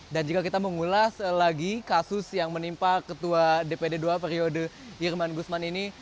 dan jika kita mengulas lagi kasus yang menimpa ketua dpd ii periode irman gusman ini